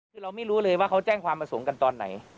คือเราไม่รู้เลยว่าเขาแจ้งความประสงค์กันตอนไหน